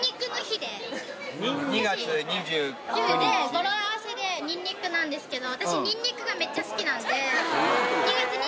語呂合わせで「にんにく」なんですけど。